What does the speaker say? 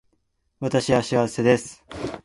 私は幸せです